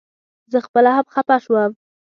زه خپله هم خپه شوم.